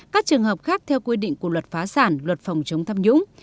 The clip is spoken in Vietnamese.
các trường hợp khác theo quy định của luật phá sản luật phòng chống tham nhũng